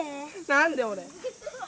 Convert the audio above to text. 何で俺？